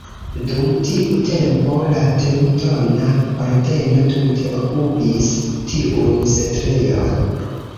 Dum tiu tempo la Teŭtona Ordeno tute okupis tiun setlejon.